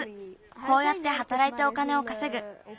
こうやってはたらいてお金をかせぐ。